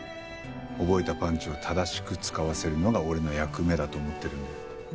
覚えたパンチを正しく使わせるのが俺の役目だと思ってるんで。